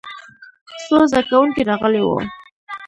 څو زده کوونکي راغلي وو.